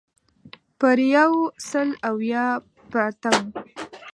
پر یو سل اویا پرته وه.